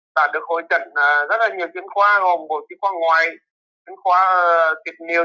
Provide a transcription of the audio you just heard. ta được hồi trận rất là nhiều chuyên khoa gồm một chuyên khoa ngoài chuyên khoa tuyệt nhiều